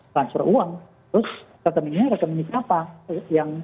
transfer uang terus rekaminya rekaminya siapa